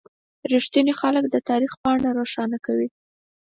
• رښتیني خلک د تاریخ پاڼه روښانه کوي.